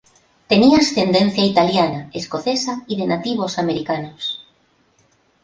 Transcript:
Tenía ascendencia italiana, escocesa y de nativos americanos.